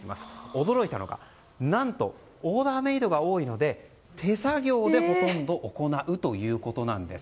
驚いたのが何とオーダーメイドが多いので手作業でほとんど行うということです。